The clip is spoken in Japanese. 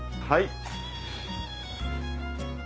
はい。